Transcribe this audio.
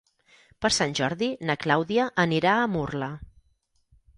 Per Sant Jordi na Clàudia anirà a Murla.